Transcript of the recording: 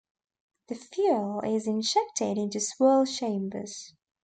The fuel is injected into swirl chambers.